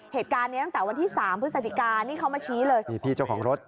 เหตุการณ์เนี้ยตั้งแต่วันที่สามพฤศจิกานี่เขามาชี้เลยนี่พี่เจ้าของรถ